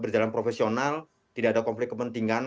berjalan profesional tidak ada konflik kepentingan